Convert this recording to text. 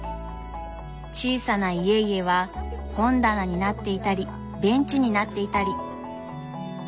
小さな家々は本棚になっていたりベンチになっていたり。